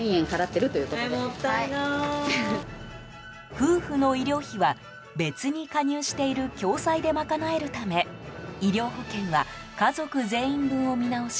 夫婦の医療費は別に加入している共済でまかなえるため医療保険は家族全員分を見直し